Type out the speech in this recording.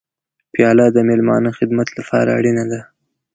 پیاله د میلمانه خدمت لپاره اړینه ده.